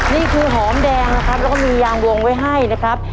นี่คือหอมแดงนะครับแล้วก็มียางวงไว้ให้นะครับ